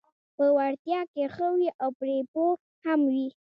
په وړتیا کې ښه وي او پرې پوه هم وي: